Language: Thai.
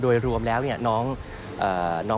พบหน้าลูกแบบเป็นร่างไร้วิญญาณ